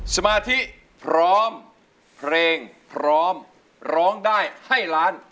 สมาธิพร้อมเพลงพร้อมร้องได้ให้ล้าน